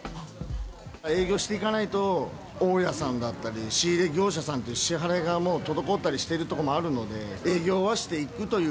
営業していかないと、大家さんだったり、仕入れ業者さんだったり、支払いがもう滞ったりしているところもあるので、営業はしていくという。